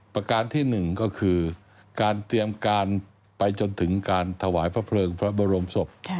ประการที่๑ก็คือการเตรียมการไปจนถึงการถวายพระเพลิงพระบรมศพ